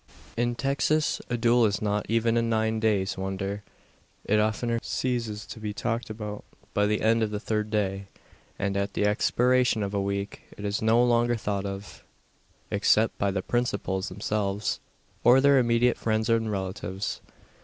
In Texas a duel is not even a nine days' wonder. It oftener ceases to be talked about by the end of the third day; and, at the expiration of a week, is no longer thought of, except by the principals themselves, or their immediate friends and relatives.